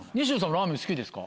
ラーメン好きですか？